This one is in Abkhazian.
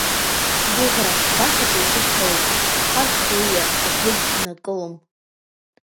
Сгәыӷра, башаӡа усыдхалеит, ахәарҽгылҩа абӷьы ннакылом.